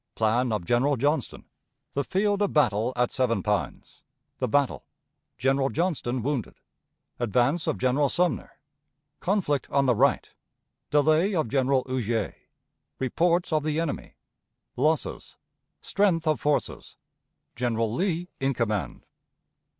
Plan of General Johnston. The Field of Battle at Seven Pines. The Battle. General Johnston wounded. Advance of General Sumner. Conflict on the Right. Delay of General Huger. Reports of the Enemy. Losses. Strength of Forces. General Lee in Command.